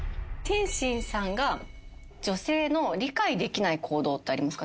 天心さんが女性の理解できない行動ってありますか？